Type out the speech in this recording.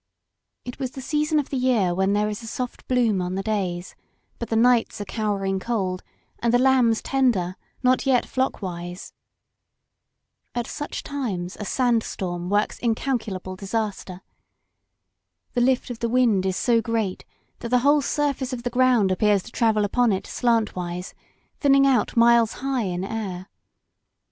It was the season of the year when there is a soft bloom on the days, but the nights are cowering cold and the lambs tender, not yet flockwise. At such times a sand storm works incalculable disaster. The lift of the wind is so great that the whole surface of the ground appears to travel upon it slantwise, thinning out miles high in air.